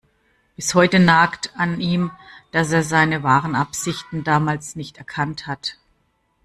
Bis heute nagt an ihm, dass er seine wahren Absichten damals nicht erkannt hat.